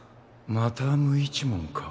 また無一文か。